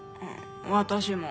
私も。